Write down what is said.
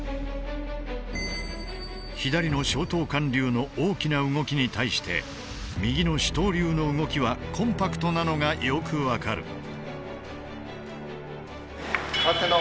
左の松濤館流の大きな動きに対して右の糸東流の動きはコンパクトなのがよく分かる。